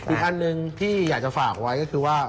อีกอันหนึ่งที่อยากจะฝากไว้ก็คือว่า